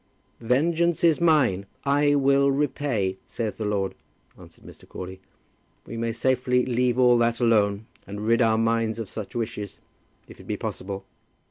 "'Vengeance is mine. I will repay,' saith the Lord," answered Mr. Crawley. "We may safely leave all that alone, and rid our minds of such wishes, if it be possible.